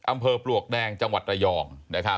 ปลวกแดงจังหวัดระยอง